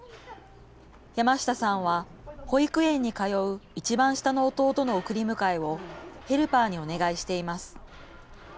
山下さんは保育園に通ういちばん下の弟の送り迎えをヘルパーにお願いしています。